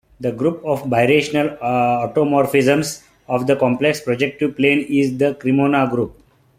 The group of birational automorphisms of the complex projective plane is the Cremona group.